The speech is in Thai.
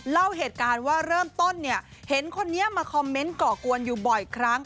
เล่าเหตุการณ์ว่าเริ่มต้นเนี่ยเห็นคนนี้มาคอมเมนต์ก่อกวนอยู่บ่อยครั้ง